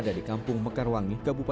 jadi memang dikesih